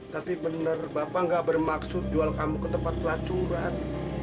tapi benar bapak gak bermaksud jual kamu ke tempat pelacuran